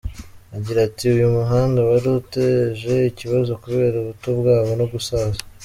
Agira ati “Uyu muhanda wari uteje ikibazo kubera ubuto bwawo no gusaza.